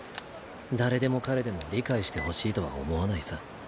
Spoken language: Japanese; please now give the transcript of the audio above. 誰でも彼でも理解してほしいとは思わないさ。